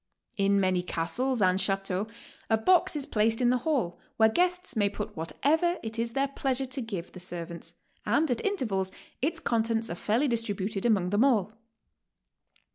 In many castles and chateaux a box is placed in the hall, where guests may put whatever it is their pleasure to give the servants, and at intervals its contents are fairly distributed among them all.